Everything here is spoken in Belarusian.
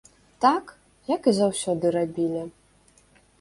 Так, як і заўсёды рабілі.